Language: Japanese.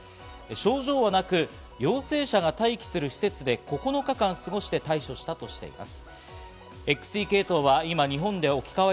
症状はなく、陽性者が待機する施設で９日間すごして対処したとしています。